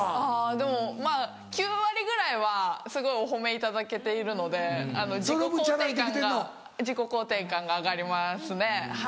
でもまぁ９割ぐらいはすごいお褒めいただけているので自己肯定感が自己肯定感が上がりますねはい。